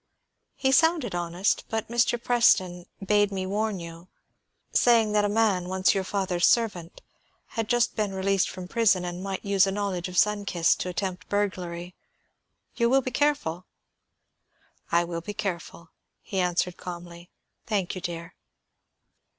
He sounded honest, but Mr. Preston bade me warn you, saying that a man, once your father's servant, had just been released from prison, and might use a knowledge of Sun Kist to attempt burglary. You will be careful?" "I will be careful," he answered calmly. "Thank you, dear."